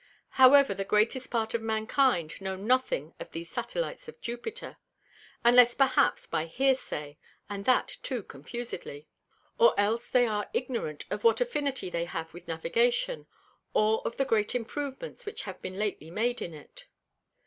However the greatest part of Mankind know nothing of these Satellites of Jupiter, unless perhaps by hear say, and that too confusedly; or else they are ignorant of what Affinity they have with Navigation, or of the great Improvements which have been lately made in it.